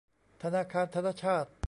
ธนาคารธนชาต